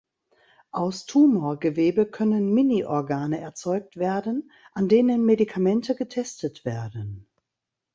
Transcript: Aus Tumorgewebe können Mini-Organe erzeugt werden, an denen Medikamente getestet werden.